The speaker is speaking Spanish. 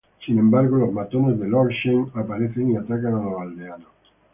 Sin embargo, los matones de Lord Shen aparecen y atacan a los aldeanos.